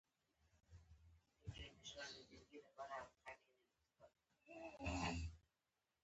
خیال هم ولري.